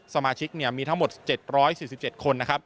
สมาชิกมีทั้งหมด๗๔๗คน